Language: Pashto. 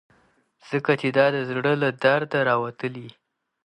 ځکه چې دا د زړه له درده راوتلي.